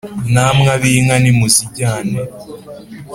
Namwe ab'inka nimuzijyane